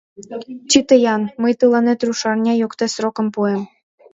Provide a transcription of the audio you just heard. Чыте-ян: мый тыланет рушарня йокте срокым пуэм...